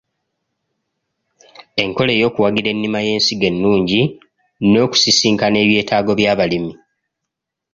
Enkola eyokuwagira ennima y’ensigo ennungi n’okusisinkana ebyetaago by’abalimi.